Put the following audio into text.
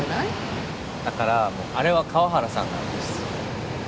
だからあれは河原さんなんです。